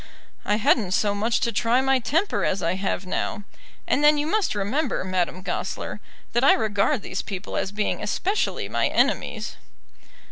"I hadn't so much to try my temper as I have now, and then you must remember, Madame Goesler, that I regard these people as being especially my enemies."